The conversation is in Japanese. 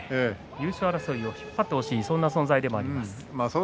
優勝争いを引っ張ってほしいそんな存在でもあります。